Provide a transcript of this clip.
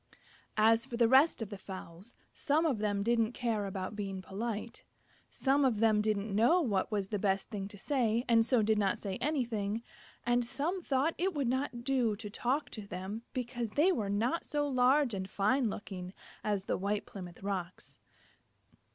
As for the rest of the fowls, some of them didn't care about being polite; some of them didn't know what was the best thing to say and so did not say anything; and some thought it would not do to talk to them, because they were not so large and fine looking as the White Plymouth Rocks.